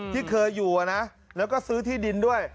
ที่เคยอยู่นะแล้วก็ซื้อที่ดินด้วย